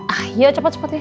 ayo cepet sepatunya